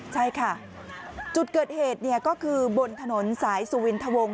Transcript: ใช่ค่ะจุดเกิดเหตุก็คือบนถนนสายสุวินทะวง